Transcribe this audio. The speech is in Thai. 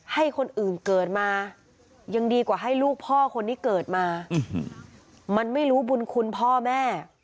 ให้คนอื่นเกิดมายังดีกว่าให้ลูกพ่อคนที่เกิดมามันไม่รู้บุญคุณพ่อแม่